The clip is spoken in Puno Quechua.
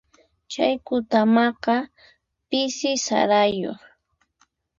Chay kutamaqa pisi sarayuq.